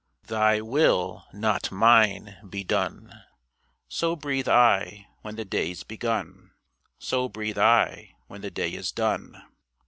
"Thy will, not mine, be done!" So breathe I when the day's begun, So breathe I when the day is done.